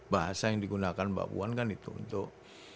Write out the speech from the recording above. bahasa yang digunakan mbak puan kan itu untuk